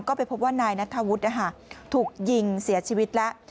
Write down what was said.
ก็ไปพบว่านายนัทธวุฒิถูกยิงเสียชีวิตแล้ว